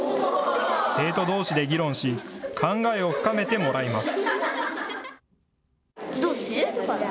生徒どうしで議論し、考えを深めてもらいます。